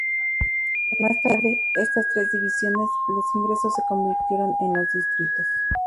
Más tarde, estas tres divisiones los ingresos se convirtieron en los distritos.